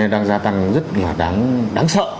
đang gia tăng rất là đáng sợ